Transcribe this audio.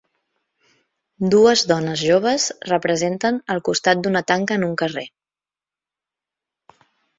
Dues dones joves representen al costat d'una tanca en un carrer